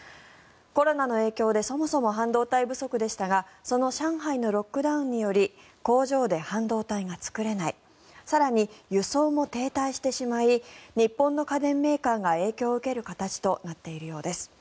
コロナの影響でそもそも半導体不足でしたがその上海のロックダウンにより工場で半導体が作れない更に、輸送も停滞してしまい日本の家電メーカーが影響を受ける形となっているようです。